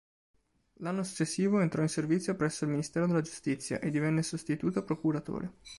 L'anno successivo, entrò in servizio presso il Ministero della giustizia, e divenne sostituto procuratore.